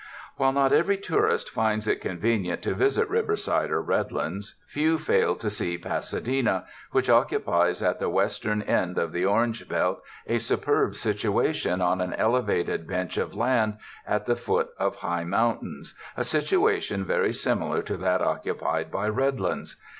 While not every tourist finds it convenient to visit Riverside or Redlands, few fail to see Pasa dena, which occupies at the western end of the or ange belt a superb situation on an elevated bench of land at the foot of high mountains, a situation very similar to that occupied by Redlands.